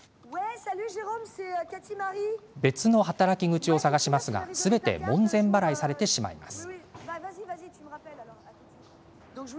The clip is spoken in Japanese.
別の働き口を探しますがすべて門前払いされてしまいます。